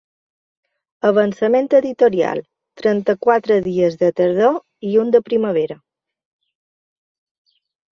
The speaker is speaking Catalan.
Avançament editorial: ’trenta-quatre dies de tardor i un de primavera.